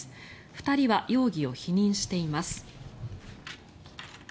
２人は容疑を否認しています。